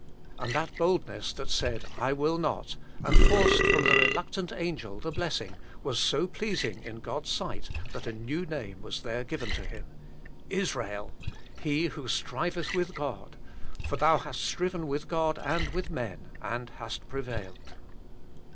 And that boldness that said, " I will not," and forced from the reluctant angel the blessing, was so pleasing in God s sight, that a new name was there given to him :" Israel, he who striveth with God, for thou hast striven with God and with men, and hast prevailed."